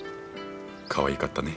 かわいかったね。